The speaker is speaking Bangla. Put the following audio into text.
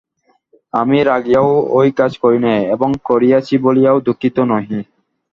আমি রাগিয়াও ঐ কাজ করি নাই এবং করিয়াছি বলিয়াও দুঃখিত নহি।